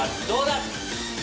どうだ！？